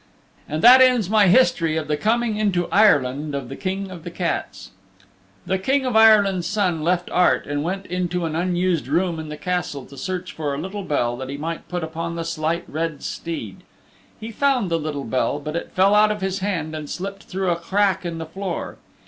And that ends my history of the coming into Ire land of the King of the Cats. The King of Ireland's Son left Art and went into an unused room in the Castle to search for a little bell that he might put upon the Slight Red Steed. He found the little bell, but it fell out of his hand and slipped through a crack in the floor.